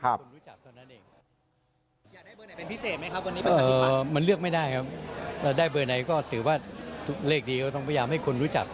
เอ่อมันเลือกไม่ได้ครับ